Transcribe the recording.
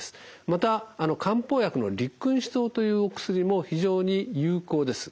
また漢方薬の六君子湯というお薬も非常に有効です。